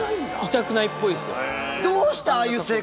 痛くないっぽいっすよ。